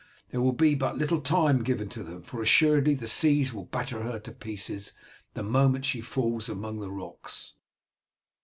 There will be but little time given to them, for assuredly the seas will batter her to pieces the moment she falls among the rocks."